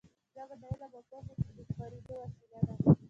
ژبه د علم او پوهې د خپرېدو وسیله ده.